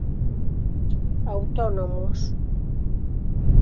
Autónomos.